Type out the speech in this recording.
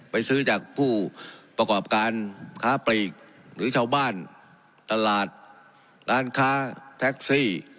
ไปซื้อจากผู้ประกอบการค้าปลีกหรือชาวบ้านตลาดร้านค้าแท็กซี่